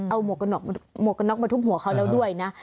เอาหมวกกระน็อกมาทุบหัวเขาแล้วด้วยนะ